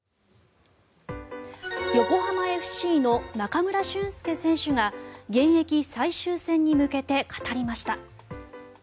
横浜ＦＣの中村俊輔選手が現役最終戦に向けて語りました。